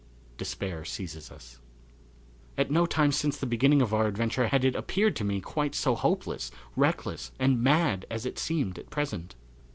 Despair Seizes Us. At no time since the beginning of our adventure had it appeared to me quite so hopeless, reckless and mad as it seemed at present.